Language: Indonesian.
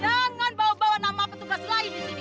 jangan bawa bawa nama petugas lain di sini